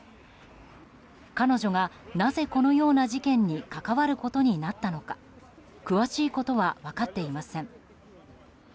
彼女が、なぜこのような事件に関わることになったのか詳しいことは分かっていません。